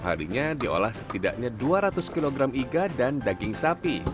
harinya diolah setidaknya dua ratus kg iga dan daging sapi